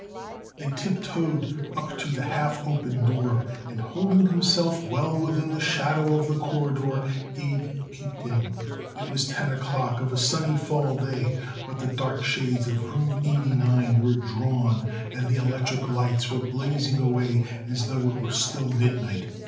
They tiptoed up to the half open door and, holding himself well within the shadow of the corridor, Abe peeped in. It was ten o'clock of a sunny fall day, but the dark shades of room eighty nine were drawn and the electric lights were blazing away as though it were still midnight.